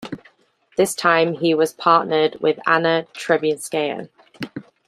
This time he was partnered with Anna Trebunskaya.